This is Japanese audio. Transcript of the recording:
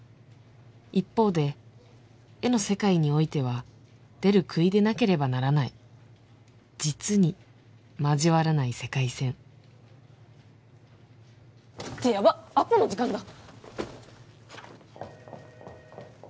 一方で絵の世界においては出る杭でなければならない実に交わらない世界線ってヤバッアポの時間だ！